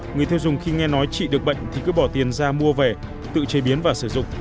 người tiêu dùng khi nghe nói trị được bệnh thì cứ bỏ tiền ra mua về tự chế biến và sử dụng